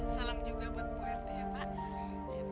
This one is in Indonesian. salam juga buat bu erti ya pak